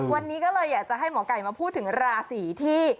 วันนี้ก็เลยอยากจะให้หมอไก่มาพูดถึงราศีที่